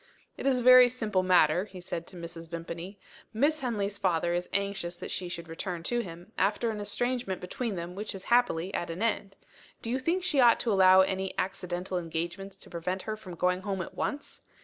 "It is a very simple matter," he said to Mrs. Vimpany. "Miss Henley's father is anxious that she should return to him, after an estrangement between them which is happily at an end. Do you think she ought to allow any accidental engagements to prevent her from going home at once?